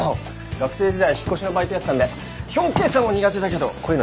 学生時代引っ越しのバイトやってたんで表計算は苦手だけどこういうのは大得意なんですよ。